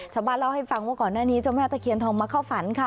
ชาวบ้านเล่าให้ฟังว่าก่อนหน้านี้เจ้าแม่ตะเคียนทองมาเข้าฝันค่ะ